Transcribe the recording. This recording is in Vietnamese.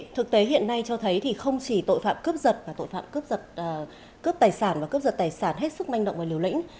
thực tế hiện nay cho thấy không chỉ tội phạm cướp giật mà tội phạm cướp giật cướp tài sản và cướp giật tài sản hết sức manh động và liều lĩnh